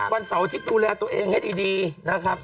วันเสาร์อาทิตย์ดูแลตัวเองให้ดีนะครับ